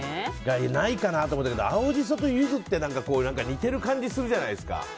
ないかなと思ったけど青ジソとユズって似てる感じするじゃないですか。